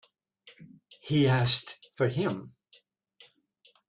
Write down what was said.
He asked for him.